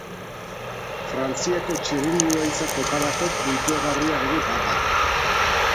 Frantziako Txirrindularitza Koparako puntuagarria ere bada.